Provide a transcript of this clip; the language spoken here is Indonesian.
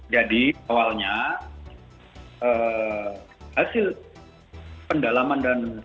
jadi awalnya hasil pendalaman dan pemeriksaan